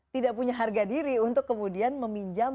tidak punya harga diri untuk kemudian meminjam